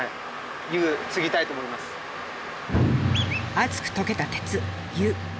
熱くとけた鉄「湯」。